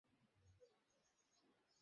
ওটা অবশ্য গুরুত্বপূর্ণ ছিল না।